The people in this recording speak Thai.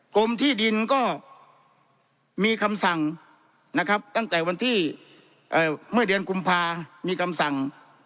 กรมที่ดินก็มีคำสั่งนะครับตั้งแต่วันที่เมื่อเดือนกุมภามีคำสั่ง